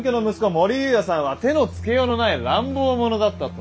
母里由也さんは手のつけようのない乱暴者だったと。